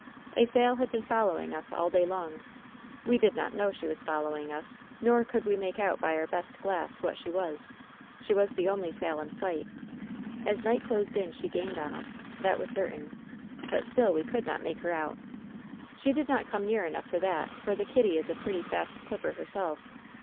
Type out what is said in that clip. A sail had been following us all day long. We did not know she was following us, nor could we make out by our best glass what she was. She was the only sail in sight. As night closed in she gained on us. That was certain. But still we could not make her out. She did not come near enough for that, for the Kitty is a pretty fast clipper her self.